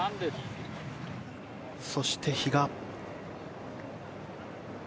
そして、比嘉。